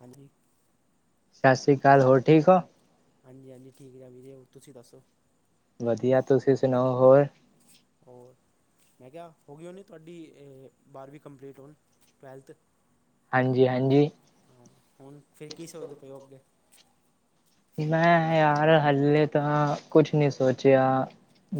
ਹਾਂਜੀ ਸਾਸ ਸ਼੍ਰੀ ਅਕਾਲ, ਹੋਰ ਠੀਕ ਹੋ। ਹਾਂਜੀ, ਹਾਂਜੀ, ਠੀਕ ਹੈ ਵੀਰੇ, ਹੋਰ ਤੁਸੀਂ ਦੱਸੋ ਵਧੀਆ, ਤੁਸੀਂ ਸੁਣਾਓ, ਹੋਰ। ਹੋਰ। ਮੈਂ ਕਿਹਾ, ਹੋ ਗਈ ਹੋਨੀ, ਤੁਹਾਡੀ ਬਾਰਵੀਂ ਕੰਪਲੀਟ ਹੋਣ, ਟਵੈਲਥ। ਹਾਂਜੀ, ਹਾਂਜੀ। ਹਾਂ, ਹੁਣ ਫਿਰ ਕੀ ਸੋਚਦੇ ਪਏ ਉਹ ਅੱਗੇ। ਮੈਂ ਯਾਰ ਹਲੇੇ ਤਾਂ ਕੁੱਛ ਨਹੀਂ ਸੋਚਿਆ।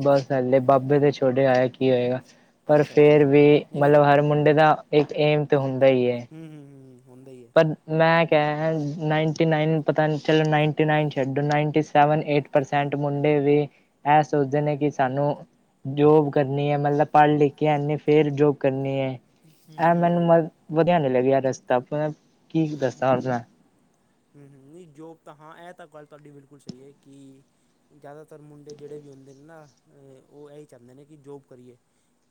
ਬਸ ਹਲੇ ਬਾਬੇ ਦੇ ਛੋਡਿਆ ਏ ਕੀ ਹੋਏਗਾ। ਪਰ ਅੱਛਾ ਅੱਛਾ ਫੇਰ ਅੱਛਾ ਵੀ ਨਹੀਂ ਫਿਰ ਮਤਲਬ ਹਰ ਮੁੰਡੇ ਦਾ, ਇੱਕ ਏਮ ਤੇ ਹੁੰਦਾ ਹੀ ਹੈ, ਹੂੰ ਹੂੰ ਹੂੰ ਹੁੰਦਾ ਹੀ ਹੈ ਪਰ ਮੈਂ ਕਿਹਾ ਨਾਈਨਟੀ ਨਾਈਨ, ਪਤਾ ਨੀ ਚਲੋ ਨਾਈਨਟੀ ਨਾਈਨ ਛੱਡੋ, ਨਾਈਨਟੀ ਸੈਵਨ ਏਟ। ਪਰਸੈਂਟ ਮੁੰਡੇ ਵੀ, ਇਹ ਸੋਚਦੇ ਨੇ ਕਿ, ਸਾਨੂੰ ਜੋਬ ਕਰਨੀ ਹੈ, ਮਤਲਬ ਪੜ੍ਹ ਲਿਖ ਕੇ ਐਨੇ ਫੇਰ ਜੋਬ ਕਰਨੀ ਹੈ, ਹੂੰ ਇਹ ਹੂੰ ਮੈਨੂੰ ਮ ਵਧੀਆ ਨੀ ਲੱਗਿਆ ਰਸਤਾ। [unintelligible] ਹ ਦੱਸਾਂ ਹਮ ਹੁਣ ਮੈਂ ਹ, ਨਹੀਂ ਜੋਬ ਤਾਂ, ਹਾਂ ਇਹ ਤਾਂ ਗੱਲ ਤੁਹਾਡੀ ਬਿਲਕੁਲ ਸਹੀ ਹੈ ਕਿ। ਜ਼ਿਆਦਾਤਰ ਮੁੰਡੇ ਜਿਹੜੇ ਵੀ ਹੁੰਦੇ ਨੇ ਨਾ ਉਹ ਇਹੀ ਚਾਹੁੰਦੇ ਨੇ ਕਿ ਜੋਬ ਕਰੀਏ।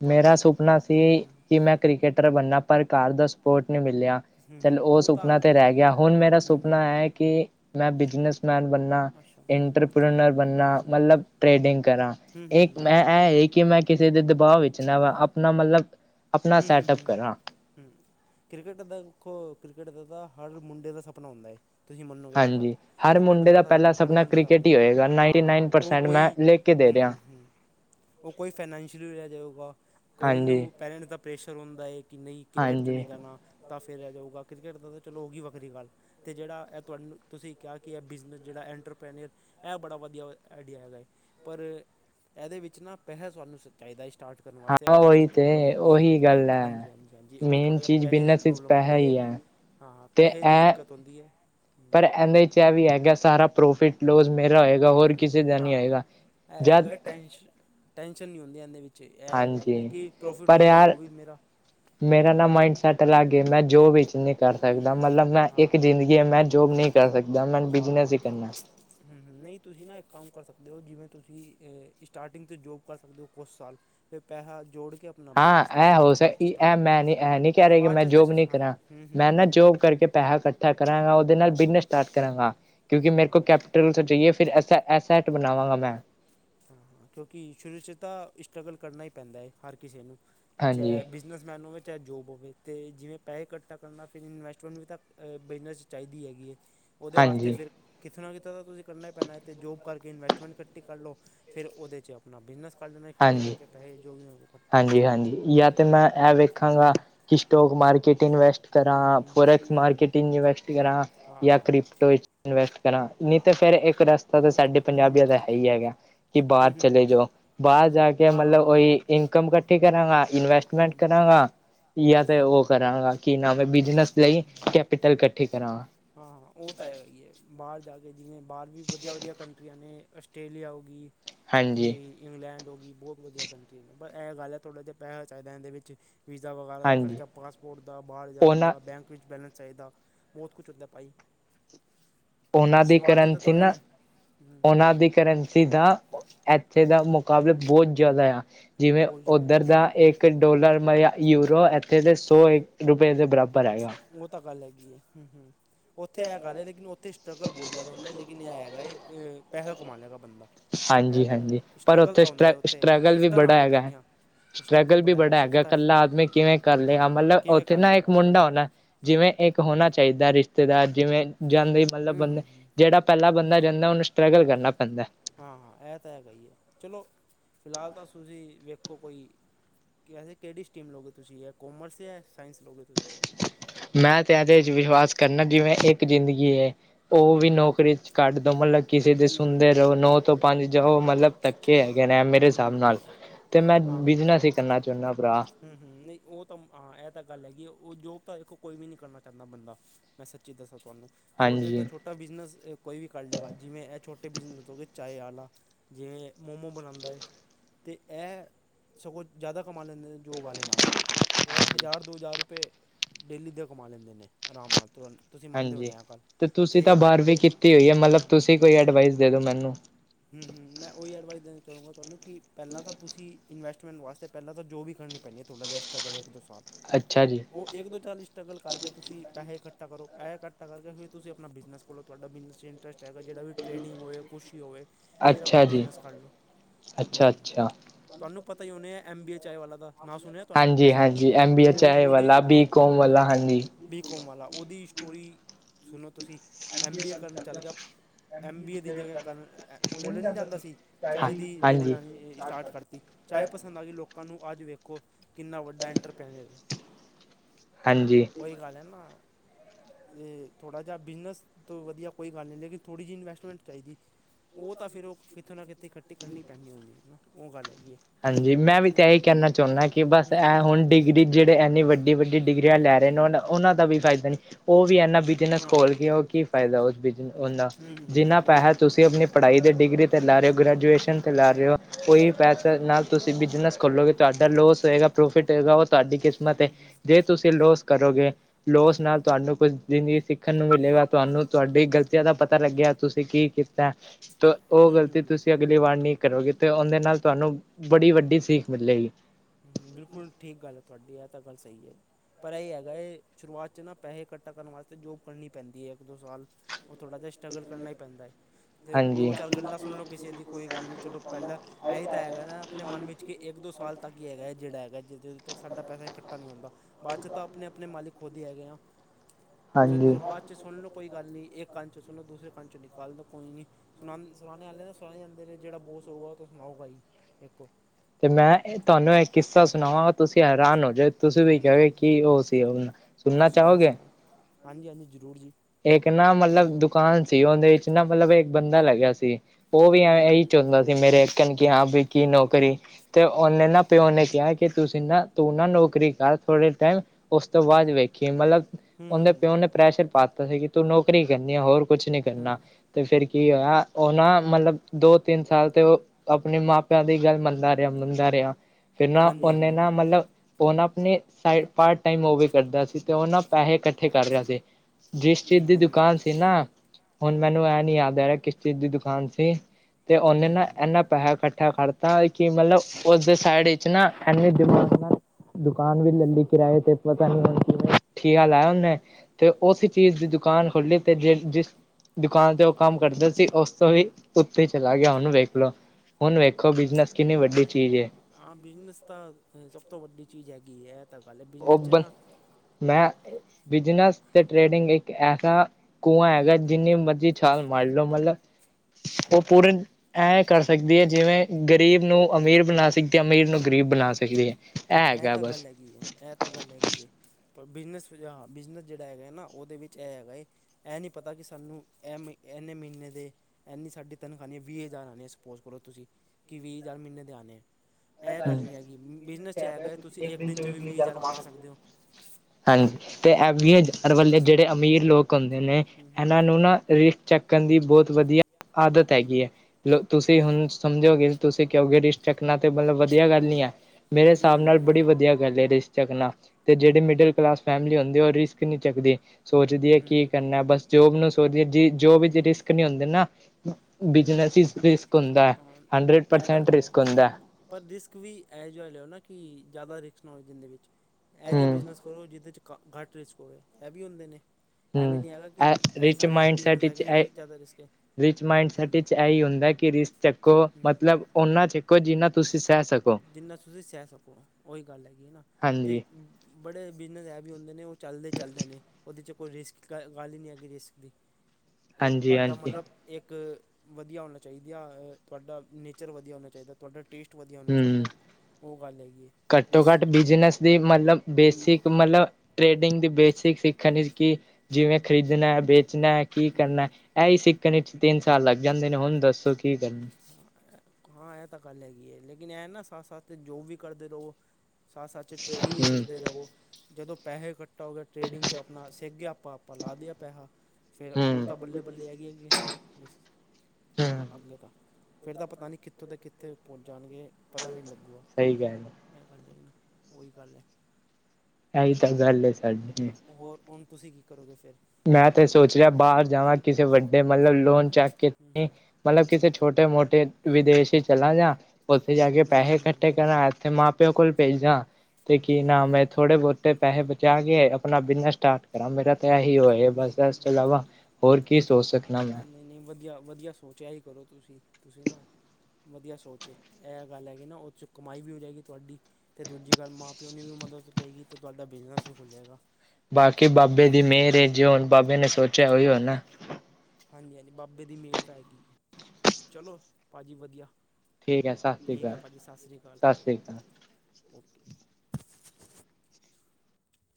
ਪਰ ਮੇਰਾ ਸੁਪਨਾ ਸੀ ਹੂੰ ਹੂੰ ਕਿ ਮੈਂ ਕ੍ਰਿਕਟਰ ਬਣਨਾ ਪਰ ਘਰ ਦਾ ਸਪੋਟ ਨਹੀਂ ਮਿਲਿਆ। ਹੂੰ ਚੱਲ ਹੂੰ ਉਹ ਸੁਪਨਾ ਤਾਂ ਤੇ ਰਹਿ ਗਿਆ, ਹੁਣ ਮੇਰਾ ਹੂੰ ਸੁਪਨਾ ਹੂੰ ਹੈ ਕਿ ਮੈਂ ਬਿਜਨਸਮੈਨ ਬਣ ਨਾ ਅੱਛਾ ਹੂੰ ਇੰਟਰਪ੍ਰਨਰ ਬਣਨਾ, ਮਤਲਬ ਟ੍ਰੇਡਿੰਗ ਕਰਾਂ। ਹੂੰ ਹੂੰ ਇਹ ਹੂੰ ਮੈਂ ਇਹ ਹੈ ਕਿ ਮੈਂ ਕਿਸੇ ਦੇ ਦਬਾਅ ਵਿੱਚ ਨਾ ਆਵਾਂ, ਆਪਣਾ ਮਤਲਬ ਆਪਣਾ ਹਂ, ਹੰਮ ਸੈਟਅਪ ਹੰ ਕਰਾਂ [unintelligible] ਹਮ ਕ੍ਰਿਕਟ ਦੇਖੋ, ਕ੍ਰਿਕਟ ਦਾ ਤਾਂ ਹਰ ਮੁੰਡੇ ਦਾ ਸਪਨਾ ਹੁੰਦਾ ਏ। ਤੁਸੀਂ ਮੰਨੋ ਗੇ ਏਹ ਗਲ੍ਹ, ਹਾਂਜੀ ਹਰ ਕ੍ਰਿਕਟ ਮੁੰਡੇ ਦਾ ਤਾਂ ਪਹਿਲਾ ਹਰ ਸਪਨਾ ਮੁੰਡੇ ਦਾ ਕ੍ਰਿਕਟ ਉਂਦਾ ਏ, ਹੀ ਹੋਏਗਾ ਨਾਈਨਟੀ ਹਾਂ ਹਾਂ ਨਾਈਨ ਉਹ ਪਰਸੈਂਟ ਮੈਂ ਕੋਈ। ਲਿਖ ਕੇ ਦੇ ਹੂੰ, ਰਿਹਾ ਹੂੰ, ਹੂੰ, ਉਹ ਕੋਈ ਫਾਈਨੈਂਸ਼ੀਅਲੀ ਰਹਿ ਜਾਊਗਾ ਕੋਈ ਹਾਂਜੀ ਨੂੰ। ਪੈਰੈਂਟ ਦਾ ਪ੍ਰੈਸ਼ਰ ਹੂੰਦਾ ਐ, ਕਿ ਨਹੀਂ ਕ੍ਰਿਕਟ ਵਿੱਚ ਹਾਂਜੀ ਨਹੀਂ ਜਾਣਾ। ਤਾਂ ਫੇਰ ਰਹਿ ਜਾਊਗਾ, ਕ੍ਰਿਕਟ ਤਾਂ ਚਲੋ ਹੋਗੀ ਵੱਖਰੀ ਗੱਲ। ਤੇ ਜਿਹੜਾ, ਇਹ ਤੁਹਾਨੂੰ, ਤੁਸੀਂ ਕਿਹਾ ਕਿ ਇਹ ਬਿਜ਼ਨਸ ਜਿਹੜਾ ਐਂਟਰਪ੍ਰੇਨਅਰ। ਇਹ ਬੜਾ ਵਧੀਆ ਆਈਡੀਆ ਹੈਗਾ ਏ, ਪਰ ਇਹਦੇ ਵਿੱਚ ਨਾ ਪੈਸਾ ਸਾਨੂੰ। ਚਾਹੀਦਾ ਸੀ ਸਟਾਰਟ ਕਰਨ ਵਾਸਤੇ, ਹਾਂ ਇਹ ਥੋੜ੍ਹੀ ਉਹੀ ਜਿਹੀ ਪ੍ਰੋਬਲਮ ਤੇ ਆਉਂਦੀ ਏ। ਉਹੀ ਗੱਲ ਹਾਂਜੀ, ਹੈ ਹਾਂਜੀ, ਹਾਂਜੀ ਉਹ ਮੇਨ ਥੋੜ੍ਹਾ ਜਿਹਾ ਚੀਜ਼ ਪੈਹੇ ਦੀ ਬਿਜਨਸ ਵਿੱਚ ਪ੍ਰੋਬਲਮ ਪੈਸਾ ਹੋਂਦੀ ਏ। ਹੀ ਹੈ ਹਾਂ, ਤੇ ਪੈਹੇ ਦੀ ਇਹ ਦਿੱਕਤ ਹੁੰਦੀ ਏ। ਪਰ ਇਹਦੇ ਚ ਇਹ ਵੀ ਹੈਗਾ ਸਾਰਾ ਪ੍ਰੋਫਿਟ ਲੋਸ ਮੇਰਾ ਹੋਏਗਾ ਹੋਰ ਕਿਸੇ ਦਾ ਨਹੀਂ ਹੈਏਗਾ ਜਦ ਅਤੇ [unintelligible] ਟੈਂਸ਼ਨ ਨਹੀਂ ਹੁੰਦੀ ਇੰਹਦੇ ਵਿੱਚ ਇਹ ਗੱਲ ਹੈ ਹਾਂਜੀ ਕਿ ਪ੍ਰੋਫਿਟ ਪਰ ਹੋਉਗਾ ਉਹ ਯਾਰ ਵੀ ਮੇਰਾ। ਮੇਰਾ ਨਾ ਮਾਇੰਡ ਸੈੱਟ ਅਲਗ ਏ ਮੈਂ ਜੋਬ ਵਿੱਚ ਨਹੀਂ ਕਰ ਹੂੰ ਸਕਦਾ ਮਤਲਬ ਮੈਂ ਹਾਂ ਇੱਕ ਜ਼ਿੰਦਗੀ ਮੈਂ ਜੋਬ ਨਹੀਂ ਕਰ ਸਕਦਾ ਮੈਨੂੰ ਹਾਂ ਹਾਂ ਬਿਜਨਸ ਹੀ ਕਰਨਾ। ਨਹੀਂ ਤੁਸੀਂ ਨਾ ਇੱਕ ਕੰਮ ਕਰ ਸਕਦੇ ਹੋ ਜਿਵੇਂ ਤੁਸੀਂ ਸਟਾਰਟਿੰਗ ਤੇ ਜੋਬ ਕਰ ਸਕਦੇ ਹੋ ਕੁਛ ਸਾਲ ਫਿਰ ਪੈਹਾ ਜੋੜ ਕੇ ਆਪਣਾ ਹਾਂ ਬਿਜ਼ਨਸ ਕਰ ਇਹ ਲਓ ਹੋ ਤੁਸੀਂ ਬਾਅਦ ਸਕ 'ਚ ਸਟਾਰਟ ਇਹ ਮੈਂ ਨੀ ਇਹ ਨਹੀ ਕਹਿ ਰਹਾ ਕਿ ਮੈਂ ਸ਼ੁਰੂਆਤ 'ਚ ਤਾਂ ਜੋਬ ਨਹੀਂ ਕਰਾਂ ਹਾਂਜੀ ਹੂੰ ਹੂੰ ਮੈਂ ਹੂੰ ਨਾ ਹੂੰ ਜੋਬ ਕਰਕੇ ਪੈਸਾ ਕੱਟ [unintelligible] ਕਰਾਂਗਾ ਉਹਦੇ ਨਾਲ ਹਾਂ ਬਿਜਨੇਸ ਸਟਾਰਟ ਹੂੰ ਕਰਾਂਗਾ ਕਿਉਂਕਿ ਮੇਰੇ ਕੋ ਹਾਂ ਕੇਪਿਟਲ ਤੋਂ ਚਈਏ ਫਿਰ ਐਸ ਹਾਂ ਐਸਟ ਹਾਂ ਬਣਾਵਾਂਗਾ ਮੈਂ ਹਾਂ ਕਿਉਂਕਿ ਸ਼ੁਰੂ ਚ ਤਾਂ ਸਟਰਗਲ ਕਰਨਾ ਹੀ ਪੈਂਦਾ ਹੈ ਹਰ ਕਿਸੇ ਨੂੰ ਹਾਂਜੀ। ਚਾਹੇ ਬਿਜ਼ਨਸਮੈਨ ਹੋਵੇ ਚਾਹੇ ਜੋਬ ਹੋਵੇ ਅਤੇ ਜਿਵੇਂ ਪੈਸੇ ਇਕੱਠਾ ਕਰਨਾ ਫਿਰ ਇਨਵੈਸਟਮੈਂਟ ਵੀ ਤਾਂ ਬਿਜ਼ਨਸ ਚ ਚਾਹੀਦੀ ਹੈਗੀ ਹੈ। ਉਹਦੇ ਵਾਸਤੇ ਹਾਂਜੀ, ਫਿਰ ਕਿੱਥੋਂ ਨਾ ਕਿਥੋ ਤਾਂ ਤੁਸੀਂ ਕਰਨਾ ਹੀ ਪੈਣਾ ਏ ਤੇ ਜੋਬ ਕਰਕੇ ਇਨਵੈਸਟਮੈਂਟ ਇਕੱਟੀ ਕਰ ਲਓ। ਫੇਰ ਉਹਦੇ ਚ ਆਪਣਾ ਬਿਜ਼ਨਸ ਕਰ ਲੈਣਾ ਇਕੱਠੇ ਕਰਕੇ ਪੈਹੇ ਜੋ ਵੀ ਹੋ ਹਾਂਜੀ, ਹਾਂਜੀ ਜਾਂ ਨਹੀਂ ਤੇ ਮੈਂ ਸਕਦੇ ਇਹ ਹੂੰ ਹੂੰ ਵੇਖਾਂਗਾ ਕਿ ਸਟੋਕ ਮਾਰਕੇਟ ਇਨਵੈਸਟ ਹੂੰ ਕਰਾਂ, ਹੂੰ ਫੋਰੇੈਕਸ ਹੂੰ ਹੂੰ ਮਾਰਕੇਟ ਇਨਵੇਸਟ ਕਰਾਂ। ਹਾਂ ਜਾਂ ਹਾਂ ਕ੍ਰਿਪਟੋ ਵਿੱਚ ਇਨਵੈਸਟ ਕਰਾਂ ਨਹੀਂ ਤਾਂ ਫਿਰ ਇੱਕ ਰਸਤਾ ਤਾਂ ਉਹ ਸਾਡੇ ਹੂੰ ਹੂੰ ਪੰਜਾਬੀਆ ਦਾ ਹੈ। ਇਹੀ ਹੈਗਾ ਕਿ ਬਾਹਰ ਹੂੰ ਚਲੇ ਹੂੰ ਜਾਓ ਬਾਹਰ ਜਾ ਕੇ ਹਾਂ ਮਤਲਬ ਉਹੀ ਹਾਂ ਇਨਕਮ ਇਕੱਠੀ ਕਰਾਂਗਾ, ਇਨਵੈਸਟਮੈਂਟ ਹੂੰ ਕਰਾਂਗਾ ਜਾਂ ਤੇ ਉਹ ਕਰਾਂਗਾ ਕਿ ਨਾ ਵੇ ਬਿਜਨਸ ਲਈ ਕੈਪੀਟਲ ਇਕੱਠੀ ਕਰਾਂ। ਹਾਂ ਹਾਂ ਉਹ ਤਾਂ ਹੈਗਾ ਹੀ ਹੈ ਬਾਹਰ ਜਾ ਕੇ ਜਿਂਵੇ ਬਾਹਰ ਵੀ ਵਧੀਆ, ਵਧੀਆ ਕੰਟਰੀਆਂ ਨੇ ਆਸਟ੍ਰੇਲੀਆ ਹੋ ਗਈ ਆਪਣੀ ਹਾਂਜੀ-ਹਾਂਜੀ ਇੰਗਲੈਂਡ ਹੋਗੀ ਬਹੁਤ ਵਧੀਆ ਕੰਟਰੀਆਂ ਨੇ ਪਰ ਇਹ ਗੱਲ ਥੋੜ੍ਹਾ ਜਿਹਾ ਪੈਸਾ ਚਾਹੀਦਾ ਇਹਦੇ ਵਿੱਚ ਵੀਜ਼ਾ, ਵਗੈਰਾ ਦਾ ਖਰਚਾ ਪਾਸਪੋਰਟ ਦਾ ਬਾਹਰ ਜਾਣ ਉਹਨਾਂ ਦਾ ਬੈਂਕ ਵਿੱਚ ਬੈਲੈਂਸ ਚਾਹੀਦਾ, ਬਹੁਤ ਕੁਛ ਹੁੰਦਾ ਭਾਈ। ਉਹਨਾਂ ਦੀ ਸ਼ੁਰੂਆਤ 'ਚ ਤਾਂ ਕਰੰਸੀ ਤੁਹਾਨੂੰ ਨਾ ਮੈਂ ਹੂੰ ਉਹਨਾਂ ਦੀ ਕਰੰਸੀ ਦਾ ਏਥੇ ਦਾ ਮੁਕਾਬਲਾ ਬਹੁਤ ਜ਼ਿਆਦਾ ਆ ਜਿਵੇਂ ਬਹੁਤ ਜ਼ਿਆਦਾ ਉੱਧਰ ਆ ਦਾ ਹੂੰ ਇੱਕ ਡੋਲਰ ਮਯਾ ਯੂਰੋ ਇੱਥੇ ਦੇ ਸੌ ਇੱਕ ਰੁਪਏ ਦੇ ਬਰਾਬਰ ਹੈਗਾ। ਉਹ ਤਾਂ ਗੱਲ ਹੈਗੀ ਹੈ ਹਮ ਹਮ ਉੱਥੇ ਇਹ ਗੱਲ ਹੈ ਲੇਕਿਨ ਉੱਥੇ ਸਟਰਗਲ ਬਹੁਤ ਜ਼ਿਆਦਾ ਹੁੰਦਾ ਲ ਕਿਨੇ [unintelligible] ਆਇਗਾ ਇਹ ਪੈਸਾ ਕਮਾ ਲੇ ਗਾ ਬੰਦਾ ਇਹ ਹਾਂਜੀ ਤਾਂ ਹੈਗਾ ਹਾਂਜੀ ਪਰ ਸਟਰਗਲ ਉੱਥੇ ਤਾਂ ਸਟਰ ਹੁੰਦਾ ਉੱਥੇ ਸਟਰਗਲ ਵੀ ਸ਼ਿਫਟਾਂ ਬੜਾ ਲਉਣੀਆਂ ਹੈਗਾ ਹੈ ਪੈਣੀਆਂ। ਸਟਰਗ ਸਟਰਗਲ ਵੀ ਬੜਾ ਹੈਗਾ ਸ਼ਿਫਟਾ ਇਕੱਲਾ ਆਦਮੀ ਕਿਵੇਂ ਕਰ ਹਮ ਲਏਗਾ ਹਮ ਮਤਲਬ ਕਿਵੇਂ ਉੱਥੇ ਕੱਢ ਨਾ ਇੱਕ ਲੇਗਾ? ਮੁੰਡਾ ਹੋਣਾ ਜਿਵੇਂ ਇੱਕ ਹੋਣਾ ਚਾਹੀਦਾ ਰਿਸ਼ਤੇਦਾਰ ਜਿਵੇਂ ਜਾਂਦੇ ਮਤਲਬ ਹੂੰ ਹੂੰ, ਬੰਦੇ ਹੂੰ ਜਿਹੜਾ ਪਹਿਲਾ ਬੰਦਾ ਜਾਂਦਾ ਉਹਨੂੰ ਸਟਰਗਲ ਕਰਨਾ ਪੈਂਦਾ। ਹਾਂ, ਹਾਂ ਇਹ ਤਾਂ ਹੈਗਾ ਹੀ ਹੈ ਚਲੋ ਫਿਲਹਾਲ ਤਾਂ ਤੁਸੀਂ ਵੇਖੋ ਕੋਈ ਵੈਸੇ ਕਿਹੜੀ ਸਟਰੀਮ ਲੋਗੇ ਤੁਸੀਂ ਕੋਮਰਸ ਜਾਂ ਸਾਇੰਸ ਲਓਗੇ ਤੁਸੀਂ ਏ? ਮੈਂ ਤੇ ਇਹਦੇ ਇੱਚ ਵਿਸ਼ਵਾਸ ਕਰਨਾ ਜਿਵੇਂ ਇੱਕ ਜ਼ਿੰਦਗੀ ਹੈ ਉਹ ਹੂੰ ਵੀ ਨੌਕਰੀ ਚ ਕੱਟ ਦੋ ਮਤਲਬ ਕਿਸੇ ਦੇ ਹੂੰ ਹੂੰ ਹੂੰ, ਸੁਣਦੇ ਹੂੰ ਰਹੋ ਨੌ ਤੋਂ ਪੰਜ ਹਾਂ ਜਾਓ ਹਾਂ ਮਤਲਬ ਧੱਕੇ ਹੈਗੇ ਨੇ ਏ ਮੇਰੇ ਹੂੰ ਹਿਸਾਬ ਹੂੰ ਨਾਲ ਹੂੰ, ਤੇ ਮੈਂ ਬਿਜਨਸ ਹੀ ਕਰਨਾ ਚਾਹੁੰਦਾ ਭਰਾ। ਹਮ ਹਮ ਨਹੀਂ ਉਹ ਤਾਂ ਹਾਂ ਇਹ ਤਾਂ ਗੱਲ ਹੈਗੀ ਉਹ ਜੋਬ ਤਾਂ ਦੇਖੋ ਕੋਈ ਵੀ ਨਹੀਂ ਕਰਨਾ ਚਾਹੁੰਦਾ ਬੰਦਾ। ਮੈਂ ਸੱਚੀ ਦੱਸਾਂ ਤੁਹਾਨੂੰ ਛੋਟੇ ਤੋਂ ਹਾਂਜੀ। ਛੋਟੇ ਛੋਟਾ ਬਿਜ਼ਨਸ ਕੋਈ ਵੀ ਕਰ ਲਵੇਗਾ ਜਿਵੇਂ ਇਹ ਛੋਟੇ ਬਿਜ਼ਨਸ ਹੋਗੇ ਚਾਏ ਵਾਲਾ। ਜਿਵੇਂ ਮੋਮੋ ਬਣਾਉਂਦਾ ਏ ਤੇ ਇਹ ਸਗੋਂ ਜ਼ਿਆਦਾ ਕਮਾ ਲੈਂਦੇ ਨੇ। ਜੋਬ ਵਾਲੇ ਨਾਲ। ਇਹ ਹਜ਼ਾਰ ਦੋ ਹਜ਼ਾਰ ਰੁਪਏ ਡੇਲੀ ਦਾ ਕਮਾ ਲੈਂਦੇ ਨੇ ਆਰਾਮ ਨਾਲ ਤੁਰੰਤ। ਹਾਂਜੀ ਤੇ ਤੁਸੀਂ ਤਾਂ ਬਾਰਵੀ ਕੀਤੀ ਹੋਈ ਹੈ ਮਤਲਬ ਹਾਂ ਤੁਸੀਂ ਕੋਈ ਐਡਵਾਈਸ ਦੇ ਦੋ ਮੈਨੂੰ। ਹ ਹ ਮੈਂ ਉਹੀ ਐਡਵਾਈਸ ਦੇਣਾ ਚਾਹੂੰਗਾ ਤੁਹਾਨੂੰ ਕਿ ਪਹਿਲਾਂ ਤਾਂ ਤੁਸੀਂ ਇਨਵੈਸਟਮੈਂਟ ਵਾਸਤੇ ਪਹਿਲਾਂ ਤਾ ਜੋਬ ਈ ਕਰਨੀ ਪਹਿਲੇ ਆ ਥੋੜਾ ਜਿਆ ਸਟਰਗਲ ਇਕ ਦੋ ਸਾਲ ਅੱਛਾ ਜੀ ਉਹ ਇੱਕ ਦੋ ਚਾਰ ਸਟਰਗਲ ਕਰ ਤੁਸੀਂ ਪੈਸੇ ਇਕੱਠਾ ਕਰੋ ਪੈਸੇ ਇਕੱਠਾ ਕਰਕੇ ਫਿਰ ਤੁਸੀਂ ਆਪਣਾ ਬਿਜ਼ਨਸ ਖੋਲੋ ਤੁਹਾਡਾ ਬਿਜ਼ਨ 'ਚ ਇੰਟਰਸਟ [unintelligible] ਜਿਹੜਾ ਵੀ ਟਰੇਡਿੰਗ ਹੋਵੇ ਕੁੱਛ ਹੀ ਹੋਵੇ ਫੇਰ ਆਪਣਾ ਅੱਛਾ ਜੀ ਬਿਜ਼ਨਸ ਕਰ ਲਓ ਅੱਛਾ ਹੂੰ ਅੱਛਾ ਤੁਹਾਨੂੰ ਪਤਾ ਹੀ ਹਨੇ ਆ ਐਮ ਬੀ ਏ ਚਾਏ ਵਾਲਾ ਦਾ ਨਾ ਸੁਣਿਆ ਤੁਹਾਂ ਹਾਂਜੀ ਤੁਸੀਂ ਹਾਂਜੀ ਐਮ ਬੀ ਐਚ ਉਹ ਆਈ ਉਹਦੀ ਵਾਲਾ ਹਾਂ ਬੀ ਕੋਮ ਹੂੰ ਵਾਲਾ ਹੂੰ ਹਾਂਜੀ ਬੀ ਕੌਮ ਵਾਲਾ ਉਹਦੀ ਸਟੋਰੀ ਸੁਣੋ ਤੁਸੀਂ ਐੱਮ ਬੀ ਏ ਕਰਨ ਚੱਲ ਗਿਆ ਐੱਮ ਬੀ ਏ ਦੀ ਜਗ੍ਹਾ ਕਰਨ ਕੋਲ ਨਹੀਂ ਜਾਂਦਾ ਸੀ ਚਾਏ ਦੀ ਰੇਹੜੀ ਹਾਂਜੀ ਲਾਉਣੀ ਸਟਾਰਟ ਕਰਤੀ ਚਾਹੇ ਪਸੰਦ ਆ ਜੇ ਲੋਕਾਂ ਨੂੰ ਅੱਜ ਵੇਖੋ ਕਿੰਨਾ ਵੱਡਾ ਇੰਟਰਪ੍ਰੈਨਅਰ ਏ ਹਾਂਜੀ ਉਹੀ ਗੱਲ ਐ ਨਾ ਅਤੇ ਥੋੜ੍ਹਾ ਜਿਹਾ ਬਿਜ਼ਨਸ ਤੋਂ ਵਧੀਆ ਕੋਈ ਗੱਲ ਨਹੀਂ ਲੇਕਿਨ ਥੋੜ੍ਹੀ ਜਿਹੀ ਇਨਵੈਸਟਮੈਂਟ ਚਾਹੀਦੀ ਉਹ ਤਾਂ ਫਿਰ ਉਹ ਕਿੱਥੋਂ ਨਾ ਕਿਤੇੇ ਇਕੱਠੀ ਕਰਨੀ ਪੈਂਦੀ ਹੁੰਦੀ ਏ ਨਾ ਉਹ ਗੱਲ ਹੈਗੀ ਐ ਹਾਂਜੀ ਮੈਂ ਵੀ ਤਾਂ ਇਹੀ ਕਹਿਣਾ ਚਾਹੁੰਦਾ ਕਿ ਬਸ ਹੂੰ ਹੂੰ ਐ ਹੁਣ ਡਿਗਰੀ ਜਿਹੜੇ ਇੰਨੀ ਵੱਡੀ ਵੱਡੀ ਡਿਗਰੀਆਂ ਲੈ ਰਹੇ ਨੇ ਉਹ ਉਹਨਾਂ ਦਾ ਵੀ ਫਾਇਦਾ ਨੀ ਉਹ ਵੀ ਇਨਾ ਬਿਜਨਸ ਹਾਂ ਖੋਲ ਕੇ ਉਹ ਕੀ ਫਾਇਦਾ ਉਸ ਬਿਜਨ ਔਂਦਾ ਹੂੰ ਹੂੰ ਜਿੰਨਾ ਉਹ ਪੈਸਾ ਤੁਸੀਂ ਆਪਣੀ ਪੜ੍ਹਾਈ ਦੇ ਡਿਗਰੀ 'ਤੇ ਲੈ ਰਹੇ ਹੋ ਗ੍ਰੈਜੂਏਸ਼ਨ 'ਤੇ ਲੈ ਰਹੇ ਹੋ ਓਈ ਪੈਸਾ ਨਾਲ ਤੁਸੀਂ ਬਿਜਨਸ ਖੋਲੋਗੇ ਤੁਹਾਡਾ ਲੋਸ ਹੋਏਗਾ ਪ੍ਰੋਫਿਟ ਹੋਏਗਾ ਉਹ ਤੁਹਾਡੀ ਕਿਸਮਤ ਏ ਜੇ ਤੁਸੀਂ ਲੋਸ ਕਰੋਗੇ ਲੋਸ ਨਾਲ ਤੁਹਾਨੂੰ ਕੁਝ ਜ਼ਿੰਦਗੀ ਸਿੱਖਣ ਨੂੰ ਮਿਲੇਗਾ ਤੁਹਾਨੂੰ ਤੁਹਾਡੀ ਗਲਤੀਆਂ ਦਾ ਪਤਾ ਲੱਗਿਆ ਤੁਸੀਂ ਕੀ ਕੀਤਾ ਉਹ ਹੂੰ ਗਲਤੀ ਹੂੰ ਤੁਸੀਂ ਅਗਲੀ ਵਾਰ ਨਹੀਂ ਕਰੋਗੇ ਤੇ ਉਹਦੇ ਨਾਲ ਤੁਹਾਨੂੰ ਬੜੀ ਵੱਡੀ ਸੀਖ ਮਿਲੇਗੀ ਬਿਲਕੁਲ ਠੀਕ ਗੱਲ ਐ, ਤੁਹਾਡੀ ਆ ਤਾਂ ਗੱਲ ਸਹੀ ਐ ਜੀ ਪਰ ਇਹ ਹੈਗਾ ਹੈ ਸ਼ੁਰੂਆਤ ਚ ਨਾ ਪੈਸੇ ਇਕੱਠਾ ਕਰਨ ਵਾਸਤੇ ਜੋਬ ਕਰਨੀ ਪੈਂਦੀ ਹੈ ਇੱਕ ਦੋ ਸਾਲ ਉਹ ਥੋੜ੍ਹਾ ਜਿਹਾ ਸਟਰਗਲ ਕਰਨਾ ਹੀ ਪੈਂਦਾ ਐ। ਤੇ ਦੋ ਹਾਂਜੀ। ਚਾਰ ਗੱਲਾਂ ਸੁਣ ਲਓ ਕਿਸੇ ਦੀ ਕੋਈ ਗੱਲ ਨਹੀਂ ਚਲੋ ਪਹਿਲਾਂ ਇਹ ਤਾਂ ਆਏ ਗਾ ਨਾ ਆਪਣੇ ਮਨ ਵਿੱਚ ਕਿ ਇੱਕ ਦੋ ਸਾਲ ਤਾ ਕੀ ਹੈਗੈ, ਜੇੜਾ ਹੈਗੈ ਜਦ, ਜਦੋ ਤੱਕ ਸਾਡਾ ਪੈਸਾ ਇਕੱਠਾ ਨੀ ਹੁੰਦਾ, ਬਾਦ ਚ ਤਾਂ ਆਪਨੇ ਆਪਣੇ ਮਾਲਿਕ ਖੁਦ ਹੀ ਹੈਗੇ ਆ ਹਾਂਜੀ। ਸ਼ੁਰੂਆਤ ਸੁਣ ਲਓ ਕੋਈ ਗੱਲ ਨਹੀਂ ਇੱਕ ਕੰਨ ਚੋਂ ਸੁਣੋ ਦੂਸਰੇ ਕੰਨ ਚੋਂ ਨਿਕਾਲਓ ਕੋਈ ਨਹੀਂ ਸੁ-ਸੁਣਾਣੇ ਵਾਲੇ ਨੇ ਸੁਣਾ ਜਾਂਦੇ ਨੇ, ਜਹੜਾ ਬੋਸ ਹੋਗਾ ਤੁ ਸੁਣਾਓ ਗਾ ਹੀ ਇੱਕ। ਤੇ ਮੈਂ ਤੁਹਾਨੂੰ ਇਹ ਕਿੱਸਾ ਸੁਣਾਵਾਂਗਾ ਤੁਸੀਂ ਹੈਰਾਨ ਹੋਜੋਗੇ। ਤੁਸੀਂ ਵੀ ਹੂੰ ਕਹੋਗੇ ਹੂੰ ਕੀ ਹੋਇਆ ਸੀ ਐਵੇਂ ਦਾ ਹਾਂ ਸੁਣਨਾ ਸੁਣਾਓ ਚਾਹੋਗੇ। ਸੁਣਾਓ ਹਾਂਜੀ, ਹਾਂਜੀ, ਜ਼ਰੂਰ ਜੀ। ਇੱਕ ਨਾ ਮਤਲਬ ਦੁਕਾਨ ਸੀ ਉਹਦੇ ਵਿੱਚ ਨਾ ਮਤਲਬ ਇੱਕ ਬੰਦਾ ਲੱਗਿਆ ਸੀ। ਉਹ ਵੀ ਹੂੰ ਇਹੀ ਚਾਹੁੰਦਾ ਸੀ ਮੇਰੇ ਇੱਕਨ ਕਿ ਹਾਂ ਵੀ ਕੀ ਨੌਕਰੀ ਤੇ ਓਨੇ ਨਾ ਪਿਓ ਨੇ ਕਿਹਾ ਕਿ ਤੁਸੀਂ ਨਾ ਤੂੰ ਨਾ ਨੌਕਰੀ ਕਰ ਥੋੜੇ ਟਾਈਮ ਉਸ ਤੋਂ ਬਾਅਦ ਵੇਖੀਏ ਮਤਲਬ ਹੂੰ ਉਹਦੇ ਹੂੰ ਪਿਓ ਨੇ ਪ੍ਰੈਸ਼ਰ ਪਾ ਦਿੱਤਾ ਸੀ ਕਿ ਤੂੰ ਨੌਕਰੀ ਕਰਨੀ ਹੈ ਹੋਰ ਕੁਛ ਨੀ ਕਰਨਾ ਹੂੰ ਤੇ ਫਿਰ ਕੀ ਹੋਇਆ ਉਹ ਨਾ ਮਤਲਬ ਦੋ ਤਿੰਨ ਸਾਲ ਤੇ ਉਹ ਆਪਣੇ ਮਾਂ ਪਿਓ ਦੀ ਗੱਲ ਮੰਨਦਾ ਰਿਹਾ ਮੰਨਦਾ ਰਿਹਾ ਫਿਰ ਨਾ ਹਾਂਜੀ ਉਹਨੇ ਹਾਂਜੀ ਨਾ ਮਤਲਬ ਓ ਨਾਂ ਅਪਨੇ ਸਾਈਡ ਪਾਰਟ ਟਾਈਮ ਓਵੀ ਕਰਦਾ ਸੀ, ਤੇ ਓ ਨਾਂ ਪੈਹੇ ਇਕੱਠੇ ਕਰ ਰੇਆ ਸੀ। ਜਿਸ ਚੀਜ਼ ਹੂੰ ਦੀ ਹਾਂਜੀ ਦੁਕਾਨ ਹਾਂਜੀ ਸੀ ਨਾ ਹੁਣ ਮੈਨੂੰ ਇਹ ਨੀ ਯਾਦ ਆ ਰਿਹਾ ਕਿਸ ਚੀਜ਼ ਦੀ ਦੁਕਾਨ ਸੀ ਤੇ ਉਹਨੇ ਹੂੰ ਨਾ ਹੂੰ ਇਹਨਾਂ। ਪੈਹਾ ਇਕੱਠਾ ਕਾਰਤਾ ਕਿ ਮਲਬ ਉਸਦੇ ਸਾਈਡ ਇੱਚ ਨਾ, ਐਨੀ ਦਿਮਾਗ ਨਾਲ ਦੁਕਾਨ ਵੀ ਲੈਲੀ ਕਿਰਾਏ ਤੇ ਪਤਾ ਨੀ ਹੁਣ ਠੀ ਹ ਲ ਆਇਆ ਉਹਨੇ ਤੇ ਉਸ ਚੀਜ਼ ਦੀ ਦੁਕਾਨ ਖੋਲੀ ਤੇ ਜ ਜਿਸ ਦੁਕਾਨ ਤੇ ਉਹ ਕੰਮ ਕਰਦਾ ਸੀ ਉਸ ਤੋਂ ਹੀ ਉੱਤੇ ਹੀ ਚਲਾ ਗਿਆ ਹੁਣ ਵੇਖ ਲਉ ਹੁਣ ਵੇਖੋ ਬਿਜਨਸ ਕਿੰਨੀ ਹਾਂ ਵੱਡੀ ਚੀਜ਼ ਹੈ ਹਾਂ ਬਿਜ਼ਨਸ ਤਾਂ ਸਭ ਤੋਂ ਵੱਡੀ ਚੀਜ਼ ਹੈਗੀ ਐ। ਮੈਂ ਬਿਜਨਸ ਤੇ ਟ੍ਰੇਡਿੰਗ ਇੱਕ ਐਸਾ ਕੂਆ ਹੈਗਾ ਜਿੰਨੀ ਮਰਜ਼ੀ ਛਾਲ ਮਾਰ ਲਓ ਮਤਲਬ ਉਹ ਪੂਰੇ ਐਂ ਕਰ ਸਕਦੈ ਐਂ ਜਿਵੇਂ ਗਰੀਬ ਨੂੰ ਅਮੀਰ ਬਨਾ ਸਕਦੀ ਆਂ, ਅਮੀਰ ਨੂੰ ਗਰੀਬ ਬਨਾ ਸਕਦੀ ਏ। ਹਾਂ, ਇਹ ਤਾਂ ਗੱਲ ਹੈਗੀ ਹੈ, ਇਹ ਤਾਂ ਗੱਲ ਹੈਗੀ ਹੈ ਪਰ ਬਿਜਨਸ, ਬਿਜਨਸ ਜੇੜਾ ਹੈਗੈ ਨਾ, ਓਦੇ ਵਿੱਚ ਐ ਹੈਗਾ ਏ। ਇਹ ਨਹੀਂ ਪਤਾ ਕਿ ਸਾਨੂੰ, ਇਹ ਮ ਇਨੇ ਮਹੀਨੇ ਦੇ ਏਨੀ ਸਾਡੀ ਤਨਖਾਹ ਆਨੀ, ਐ ਵੀਹ ਹਜ਼ਾਰ ਆਣੇ, ਸਪੋਜ ਕਰੋ ਤੁਸੀਂ ਕਿ ਵੀਹ ਹਜ਼ਾਰ ਮਹੀਨੇ ਦੇ ਆਣੇ ਐ। ਇਹ ਗੱਲ ਨਹੀਂ ਹੈਗੀ, ਬਿਜਨਸ ਐ ਵੀ ਹੈ ਇਕ ਦਿਨ ਚ ਵੀਹ ਹਜ਼ਾਰ ਕਮਾ ਸਕਦੇ ਹੋ, ਹਾਂਜੀ, ਤੇ ਇਹ ਹਰ ਵੇਲੇ ਜਿਹੜੇ ਅਮੀਰ ਲੋਕ ਹੁੰਦੇ ਨੇ, ਹੂੰ ਹੂੰ ਇਹਨਾਂ ਨੂੰ ਨਾ ਰਿਸ੍ਕ ਚੱਕਣ ਦੀ ਬਹੁਤ ਵਧੀਆ ਆਦਤ ਹੂੰ ਹੈਗੀ ਹੈ, ਤੁਸੀਂ ਹੁਣ ਸਮਝੋਗੇ, ਤੁਸੀਂ ਕਿਹੋਗੇ ਰਿਸ਼ਕ ਚਕਨਾ ਮਤਲਬ ਵਧੀਆ ਗੱਲ ਨੀ ਹੈ, ਮੇਰੇ ਹਿਸਾਬ ਨਾਲ ਬੜੀ ਵਧੀਆ ਰਿਸਕ ਚੱਕ ਲਾ, ਤੇ ਜੇਹੜੇ ਮਿਡਲ ਕਲਾਸ ਫੈਮਿਲੀ ਹੁੰਦੇ, ਉਹ ਰਿਸਕ ਨਹੀਂ ਚੱਕਦੇ ਸੋਚਦੀ ਹੈ ਕੀ ਹੂੰ ਕਰਨਾ, ਬਸ ਜੋਬ ਨੂੰ ਸੋਚਦੀ ਹੈ, ਹਾਂ ਜੋਬ ਚ ਰਿਸਕ ਨੀ ਹੁੰਦੇ ਨਾ ਬਿਜ਼ਨਸ ਇਚ ਰਿਸਕ ਹੁੰਦਾ, ਹਾਂ ਹੰਡਰਡ ਇਹ ਤਾਂ ਪਰਸੈਂਟ ਗੱਲ ਰਿਸਕ ਹੈਗੀ ਹੁੰਦਾ। ਪਰ ਰਿਸਕ ਵੀ ਐਹੋ ਜੇਆ ਲਓ ਨਾ ਕਿ ਜਾਦਾ ਰਿਸਕ ਨਾ ਹੋਏ ਜਿੰਦਗੀ ਚ। ਇਹ ਜਿਹਾ ਹਮ ਬਿਜਨਸ ਕਰੋ ਜਿਹਦੇ 'ਚ ਘੱਟ ਰਿਸਕ ਹੋਵੇ, ਇਹ ਵੀ ਹੁੰਦੇ ਨੇ ਐਵੇਂ ਨੀ ਹੈਗਾ ਕਿ, ਇਹ ਸਾਰੇ ਏਹੀ ਬਿਜਨਸ ਵਿੱਚ ਹੈਗੇ ਨੇ, ਇਹ ਜਿਹਦੇ ਚ ਜਿਆਦਾ ਰਿਸਕ ਹੈ ਰਿਚ ਮਾਇਡ ਸੈਟ ਹਾਂਜੀ ਵਿੱਚ ਇਹੀ ਹੁੰਦਾ, ਕਿ ਰਿਸਕ ਚੱਕੋ, ਹੂੰ ਮਤਲਬ ਓਨਾ ਚੱਕੋ, ਜਿੰਨਾ ਤੁਸੀਂ ਸਹਿ ਸਕੋ ਜਿੰਨਾ ਤੁਸੀ ਸੈ ਸਕੋ, ਓਈ ਗੱਲ ਹੈਗੀ ਏ ਨਾ, ਤੇ ਹਾਂਜੀ, ਬੜੇ ਬਿਜਨਸ ਐ ਵੀ ਹੁੰਦੇ ਨੇ ਓ ਚੱਲਦੇ ਚਲਦੇ ਨੇ, ਉਹਦੇ ਚ ਕੋਈ ਰਿਸਕ, ਗੱਲ ਹੀ ਨਹੀਂ ਹੈਗੀ ਰਿਸਕ ਦੀ। ਉਹ ਹਾਂਜੀ, ਤੁਹਾਡਾ ਹਾਂਜੀ ਮਤਲਬ ਇੱਕ ਵਧੀਆ ਹੋਣਾ ਚਾਹੀਦੀ ਆ, ਤੁਹਾਡਾ ਨੇਚਰ ਵਧੀਆ ਹੋਣਾ ਚਾਹੀਦਾ, ਤੁਹਾਡਾ ਟੇਸਟ ਵਧੀਆ ਹੋਣਾ ਹੂ, ਚਾਹੀਦਾ ਉਹ ਗੱਲ ਹੈਗੀ ਹੈ ਘੱਟੋ ਜਿਸ ਘੱਟ ਬਿਜਨਸ ਦੀ, ਮਤਲਬ ਹੂੰ ਬੇਸਿਕ, ਮਤਲਬ ਟ੍ਰੇਡਿੰਗ ਦੀ ਬੇਸਿਕ ਸਿੱਖਣ ਲਈ ਕਿ, ਜਿਵੇਂ ਖ਼ਰੀਦਣਾ ਵੇਚਣਾ, ਕੀ ਕਰਨਾ ਹੂੰ ਏਹੀ ਸਿੱਕਣ ਵਿੱਚ ਤਿੰਨ ਸਾਲ ਲੱਗ ਜਾਂਦੇ ਨੇ, ਹੁਣ ਦੱਸੋ ਕੀ ਕਰਨਾ ਹਾਂ ਹਾਂ ਇਹ ਤਾਂ ਗੱਲ ਹੈਗੀ ਐ, ਲੇਕਿਨ ਇਹ ਨਾ, ਸਾਥ ਸਾਥ ਜੋ ਵੀ ਕਰਦੇ ਰੋ। ਸਾਥ ਸਾਥ ਚ ਟ੍ਰੇਡਿੰਗ ਵੀ ਹੂੰ, ਸਿੱਖਦੇ ਰਹੋ ਜਦੋਂ ਪੈਸੇ ਇਕੱਠੇ ਘਾਟਾ ਹੋ ਗਿਆ ਟ੍ਰੇਡਿੰਗ ਚ, ਆਪਣਾ ਸਿੱਖ ਗਿਆ, ਆਪਾਂ ਆਪਾਂ ਲਾ ਦਿਆ ਪੈਸਾ ਫਿਰ ਉਹ ਹੂੰ, ਤਾਂ ਬੱਲੇ ਬੱਲੇ ਹੈਗੇ ਅਗੇ, ਹੂੰ। ਅੱਗੇ ਤਾਂ ਫਿਰ ਤਾਂ ਪਤਾ ਨਹੀਂ ਕਿੱਥੋਂ ਤ ਕਿੱਥੇ ਪਹੁੰਚ ਜਾਣਗੇ, ਪਤਾ ਵੀ ਨਹੀਂ ਲੱਗੇੂਗਾ ਸਹੀ ਗੱਲ ਐ ਗਲ ਏ ਨਾ, ਓਈ ਗਲ ਏ। ਐਈ ਤਾ ਗਲ ਏ, ਸਾਡੀ ਜੀ ਹੋਰ ਹੁਣ ਤੁਸੀਂ ਕੀ ਕਰੋਗੇ ਫਿਰ ਮੈਂ ਤੇ ਸੋਚ ਰਿਹਾ, ਬਾਹਰ ਜਾਵਾਂ, ਕਿਸੇ ਵੱਡੇ ਮਤਲਬ, ਲੋਨ ਚੱਕ ਕੇ, ਤੁਸੀ ਮਤਲਬ ਕਿਸੇ ਛੋਟੇ ਮੋਟੇ ਵਿਦੇਸ਼ ਈ ਚਲਾ ਜਾਂ, ਉੱਥੇ ਜਾ ਕੇ ਹੂੰ ਪੈਸੇ ਹੂੰ ਇਕੱਠੇ ਕਰਾਂ ਤੇ ਮਾਂ ਪਿਓ ਕੋਲ ਭੇਜਾਂ, ਤੇ ਕੀ ਨਾ, ਹੂੰ ਮੈਂ ਥੋੜੇ ਬਹੁਤ ਪੈਸੇ ਬਚਾ ਕੇ ਆਪਣਾ ਬਿਜਨਸ ਸਟਾਰਟ ਕਰਾਂ, ਮੇਰਾ ਤਾਂ ਇਹੀ ਉਹ ਹੈ, ਹੂੰ ਬਸ ਇਸ ਤੋਂ ਹੂੰ ਇਲਾਵਾ ਹੋਰ ਕੀ ਸੋਚ ਸਕ ਨਹੀਂ ਨਹੀਂ ਵਧੀਆ ਵਧੀਆ ਸੋਚਿਆ, ਏਹੀ ਕਰੋ ਤੁਸੀਂ, ਤੁਸੀਂ ਨਾ ਵਦੀਆ ਸੋਚ ਏ, ਐ ਗਾੱਲ ਹੈਗੀ ਨਾ, ਓਦੇ ਚ ਕਮਾਈ ਵੀ ਹੋ ਜਾਏਗੀ ਤੂਹਾਡੀ। ਤੇ ਦੂਜੀ ਗੱਲ, ਮਾਂ ਪਿਓ ਨੂੰ ਵੀ ਮਦਦ ਹੋ ਜਾਏਗੀ, ਅਤੇ ਤੁਹਾਡਾ ਬਿਜਨਸ ਵੀ ਖੁੱਲ ਜਾਏਗਾ। ਬਾਕੀ ਬਾਬੇ ਦੀ ਸਾਰਾ ਮੇਹਰ ਹੈ, ਜਿ ਹੁਣ ਬਾਬੇ ਨੇ ਸੋਚਿਆ ਹਾਂ ਹੋਈਓ ਨਾ ਬਾਕੀ ਹਾਂਜੀ ਹਾਂਜੀ ਬਾਬੇ ਦੀ ਮਿਹਰ ਤਾਂ ਹੈਗੀ ਹੈ, ਚਲੋ ਭਾਜੀ ਵਧੀਆ ਠੀਕ ਹੈ ਸਤਿ ਸ਼੍ਰੀ ਠੀਕ ਹੈ ਅਕਾਲ ਭਾਜੀ, ਸਤਿ ਸ਼੍ਰੀ ਅਕਾਲ, ਸਤਿ ਸ਼੍ਰੀ ਓ ਅਕਾਲ ਓਕੇ